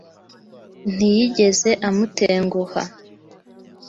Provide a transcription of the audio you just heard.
Ntiyigeze amutenguha.